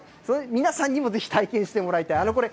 皆さんにもぜひ体験してもらいたい。